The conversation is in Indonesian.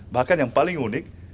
bahkan yang paling unik